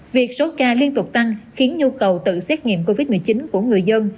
việc số ca liên tục tăng khiến nhu cầu tự xét nghiệm covid một mươi chín của người dân